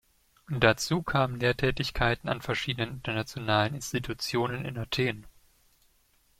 Dazu kamen Lehrtätigkeiten an verschiedenen internationalen Institutionen in Athen.